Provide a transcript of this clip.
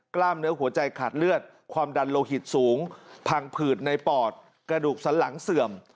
กล้ามเนื้อหัวใจขาดเลือดความดันโลหิตสูงพังผืดในปอดกระดูกสันหลังเสื่อม